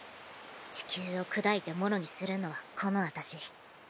地球を砕いて物にするのはこの私。